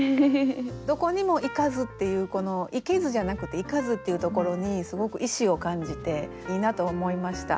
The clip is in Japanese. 「どこにも行かず」っていうこの「行けず」じゃなくて「行かず」っていうところにすごく意志を感じていいなと思いました。